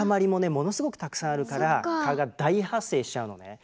ものすごくたくさんあるから蚊が大発生しちゃうのね。